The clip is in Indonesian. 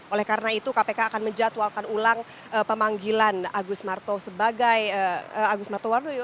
oleh karena itu kpk akan menjatuhkan ulang pemanggilan agus martowadoyo